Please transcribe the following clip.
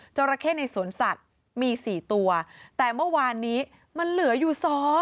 ราเข้ในสวนสัตว์มี๔ตัวแต่เมื่อวานนี้มันเหลืออยู่๒